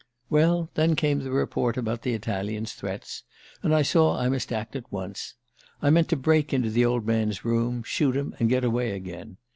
"Well, then came the report about the Italian's threats, and I saw I must act at once... I meant to break into the old man's room, shoot him, and get away again.